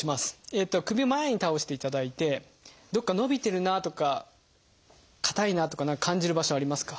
首を前に倒していただいてどっか伸びてるなとか硬いなとか何か感じる場所ありますか？